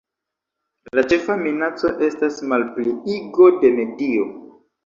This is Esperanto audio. La ĉefa minaco estas malpliigo de medio.